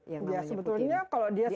ya sebetulnya kalau dia